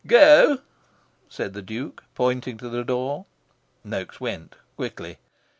"Go!" said the Duke, pointing to the door. Noaks went, quickly.